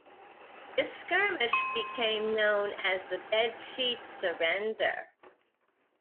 This skirmish became known as the Bedsheet Surrender.